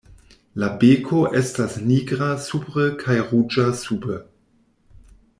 La beko estas nigra supre kaj ruĝa sube.